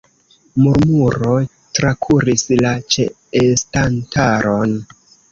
Murmuro trakuris la ĉeestantaron.